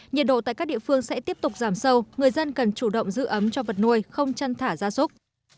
nhiệt độ tại các địa phương sẽ tiếp tục giảm sâu người dân cần chủ động giữ ấm cho vật nuôi không chăn thả ra súc